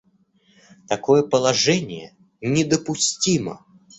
Такое положение недопустимо.